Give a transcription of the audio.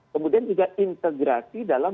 kemudian juga integrasi dalam